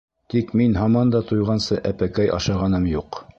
Тик мин һаман да туйғансы әпәкәй ашағаным юҡ.